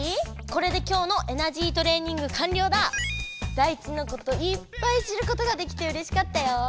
ダイチのこといっぱい知ることができてうれしかったよ。